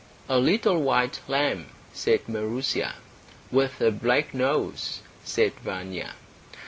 "A little white lamb," said Maroosia. "With a black nose," said Vanya.